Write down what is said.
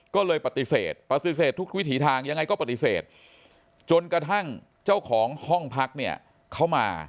ก็เลยปฏิเสธปฏิเสธทุกวิถีทางยังไงก็ปฏิเสธจนกระทั่งเจ้าของห้องพักเนี่ยเขามา